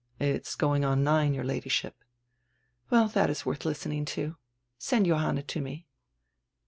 "It is going on nine, your Ladyship." "Well, diat is worth listening to. Send Johanna to me."